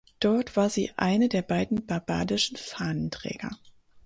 Dort war sie eine der beiden barbadischen Fahnenträger.